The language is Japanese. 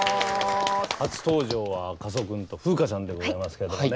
初登場は赤楚君と風花ちゃんでございますけれどもね。